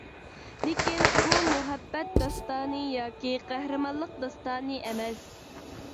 لېكىن ئۇ مۇھەببەت داستانى ياكى قەھرىمانلىق داستانى ئەمەس.